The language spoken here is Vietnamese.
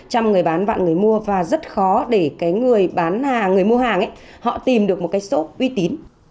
trăm người bán vạn người mua và rất khó để người mua hàng họ tìm được một cái số uy tín